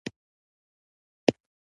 او نړیوالې، اسلامي او سیمه ییزې مننې